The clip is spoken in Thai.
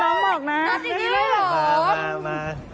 นี่น้องบอกนะ